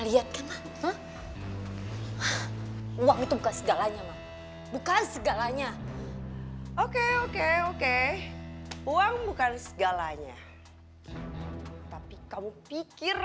lihatlah uang itu bukan segalanya bukan segalanya oke oke oke uang bukan segalanya tapi kamu pikir